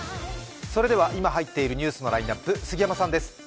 それでは今、入っているニュースのラインナップ、杉山さんです。